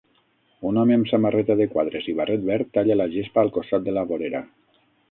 Un home amb samarreta de quadres i barret verd talla la gespa al costat de la vorera.